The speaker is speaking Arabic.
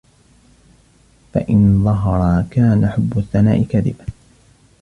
فَإِنْ ظَهَرَا كَانَ حُبُّ الثَّنَاءِ كَاذِبًا